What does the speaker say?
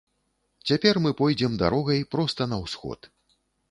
Цяпер мы пойдзем дарогай проста на ўсход.